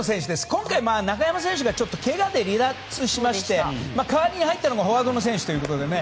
今回、中山選手がけがで離脱しまして代わりに入ったのがフォワードの選手ということで。